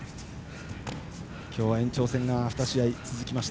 今日は延長戦が２試合続きました。